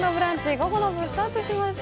午後の部スタートしました。